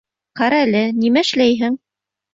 Ҡара әле, нимә эшләйһең?